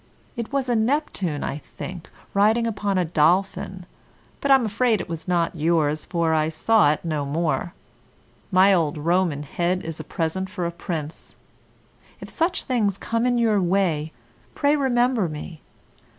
It was a Neptune, I think, riding upon a dolphin; but I'm afraid it was not yours, for I saw it no more. My old Roman head is a present for a prince. If such things come in your way, pray remember me.